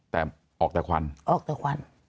แต่ออกแต่ควันออกแต่ควัน